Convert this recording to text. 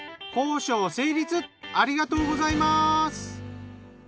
ありがとうございます。